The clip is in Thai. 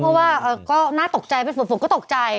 เพราะว่าก็น่าตกใจพี่ฝนก็ตกใจ